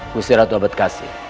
gusti ratu abad kasi